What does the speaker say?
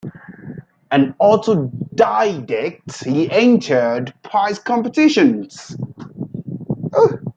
An autodidact, he entered prize competitions.